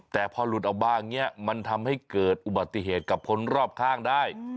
แต่พอหลุดออกมาอย่างนี้มันทำให้เกิดอุบัติเหตุกับคนรอบข้างได้